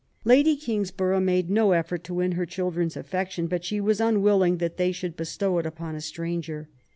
Lady Kingsborough made no effort to win her chil dren's affection, but she was unwilling that they should bestow it upon a stranger.